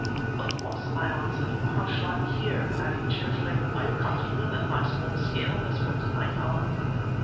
"Of course," I answered, "or how should I be here?" adding cheerfully, "Are you comfortable in that nice warm skin on this wet night, Hans?"